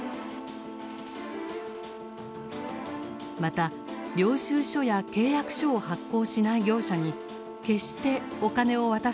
また領収書や契約書を発行しない業者に決してお金を渡さないでください。